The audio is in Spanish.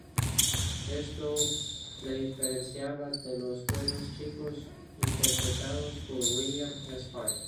Esto le diferenciaba de los buenos chicos interpretados por William S. Hart.